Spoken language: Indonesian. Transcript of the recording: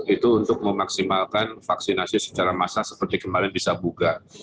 itu untuk memaksimalkan vaksinasi secara massa seperti kemarin bisa buka